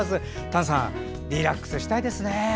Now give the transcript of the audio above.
丹さん、リラックスしたいですね。